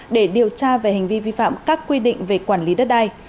để điều tra về hành vi vi phạm các quy định về quản lý đất đai